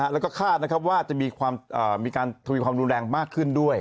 แล้วก็คาดนะครับว่าจะมีการทวีความรุนแรงมากขึ้นด้วย